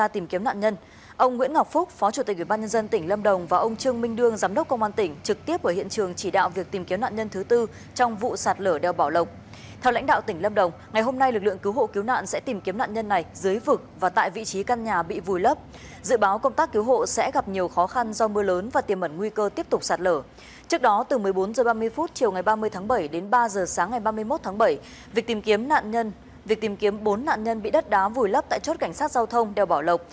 tìm kiếm nạn nhân việc tìm kiếm bốn nạn nhân bị đất đá vùi lấp tại chốt cảnh sát giao thông đèo bảo lộc